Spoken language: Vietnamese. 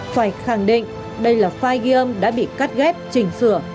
phải khẳng định đây là file ghi âm đã bị cắt ghép chỉnh sửa